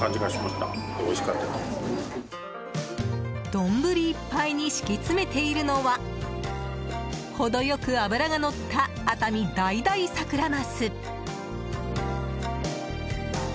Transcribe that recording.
丼いっぱいに敷き詰めているのは程良く脂がのった熱海だいだいサクラマス。